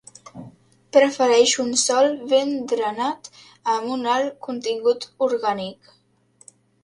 Prefereix un sòl ben drenat amb un alt contingut orgànic.